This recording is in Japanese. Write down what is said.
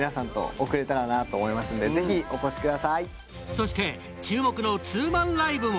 そして注目のツーマンライブも。